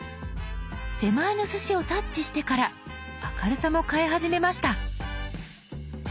手前のすしをタッチしてから明るさも変え始めました。